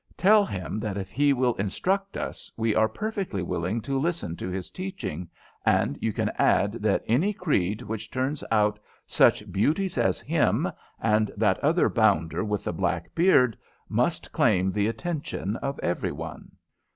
Tell him that if he will instruct us, we are perfectly willing to listen to his teaching, and you can add that any creed which turns out such beauties as him, and that other bounder with the black beard, must claim the attention of every one."